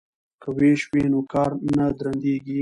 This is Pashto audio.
که ویش وي نو کار نه درندیږي.